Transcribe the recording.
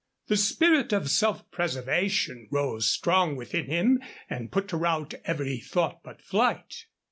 The spirit of self preservation rose strong within him and put to rout every thought but flight.